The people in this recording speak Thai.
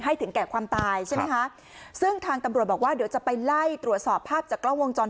ถึงแก่ความตายใช่ไหมคะซึ่งทางตำรวจบอกว่าเดี๋ยวจะไปไล่ตรวจสอบภาพจากกล้องวงจร